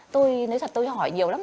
tôi nói thật tôi hỏi nhiều lắm